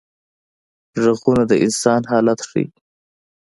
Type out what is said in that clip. غږونه د انسان حالت ښيي